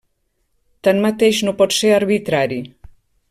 Tanmateix no pot ser arbitrari.